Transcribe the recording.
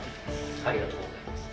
ありがとうございます。